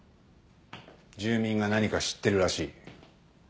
住民が何か知ってるらしい。